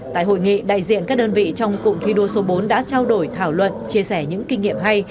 tại hội nghị đại diện các đơn vị trong cụm thi đua số bốn đã trao đổi thảo luận chia sẻ những kinh nghiệm hay